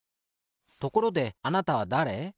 ところであなたはだれ？